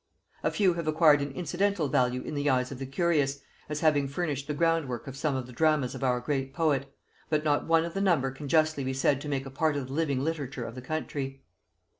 A few have acquired an incidental value in the eyes of the curious, as having furnished the ground work of some of the dramas of our great poet; but not one of the number can justly be said to make a part of the living literature of the country.